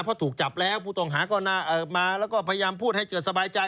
เพราะถูกจับแล้วผู้ต้องหาก็มาแล้วก็พยายามพูดให้เกิดสบายใจ